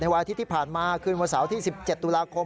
วันอาทิตย์ที่ผ่านมาคืนวันเสาร์ที่๑๗ตุลาคม